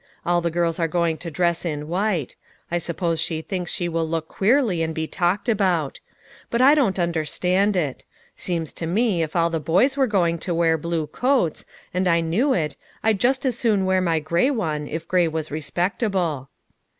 All the girls are going to dress in white ; I suppose she thinks she will look queerly, and be talked about. J3ut I don't understand it. Seems to me if all the boys were going to wear blue coats, and I knew it, I'd just as soon wear my gray one if gray was respectable."